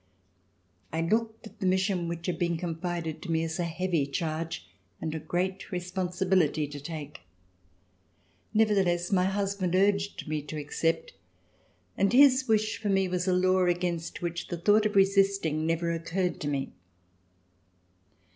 I looked at the mission which had been confided to me as a heavy charge and a great responsibility to take. Nevertheless, my husband urged me to accept and his wish for me was a law against which the thought of resisting never occurred to me.